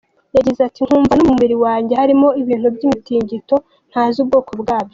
Yagize ati “Nkumva no mu mubiri wanjye harimo ibintu by’imitingito ntazi ubwoko bwabyo.